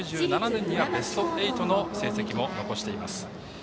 １９９７年にはベスト８の成績も残しています。